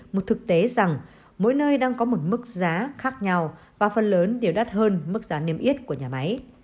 một thực tế rằng mỗi nơi đang có một mức giá khác nhau và phần lớn đều đắt hơn mức giá niêm yết của nhà máy